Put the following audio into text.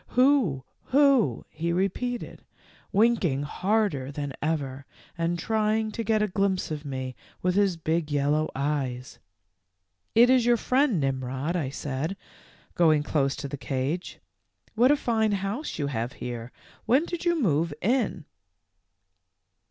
? Who, who,' he re peated, winking harder than ever, and trying to get a glimpse of me with his big yellow eyes. " f It is your friend Mmrod,' I said, going close to the cage. f What a fine house you have here ; when did you move in